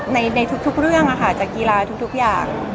ในทุกเรื่องจากกีฬาทุกอย่าง